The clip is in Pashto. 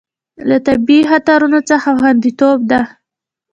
له طبیعي خطرونو څخه خوندیتوب ده.